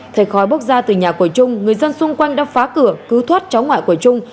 thấy khói bốc ra từ nhà của trung người dân xung quanh đã phá cửa cứu thoát cháu ngoại của trung